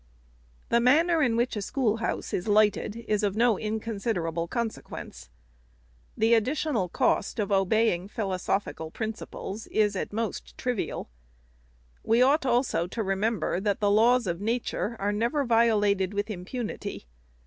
The manner in which a schoolhouse is lighted is of no inconsiderable consequence. The additional cost of obey ing philosophical principles is, at most, trivial. We ought also to remember, that the laws of Nature are never vio lated with impunity.